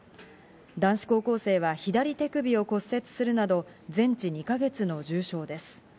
男子高校生は左手首を骨折するなど全治２か月の重傷です。